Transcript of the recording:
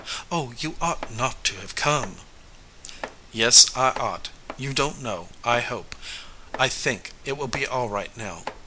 "Oh, you ought not to have come !" "Yes, I ought. You don t know. I hope, I think it will be all right now.